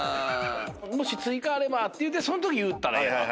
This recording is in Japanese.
もし追加あればって言うてそんとき言うたらええやんか。